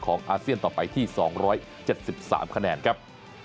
อาเซียนต่อไปที่๒๗๓คะแนนครับ